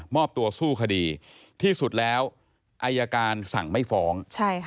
อบตัวสู้คดีที่สุดแล้วอายการสั่งไม่ฟ้อง